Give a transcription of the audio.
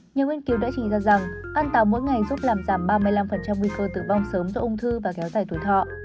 nhiều nghiên cứu đã chỉ ra rằng ăn tàu mỗi ngày giúp làm giảm ba mươi năm nguy cơ tử vong sớm do ung thư và kéo dài tuổi thọ